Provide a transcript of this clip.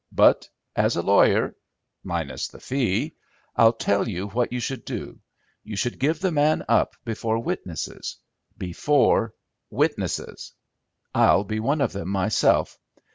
But, as a lawyer—minus the fee—I'll tell you what you should do. You should give the man up before witnesses—before witnesses. I'll be one of them myself.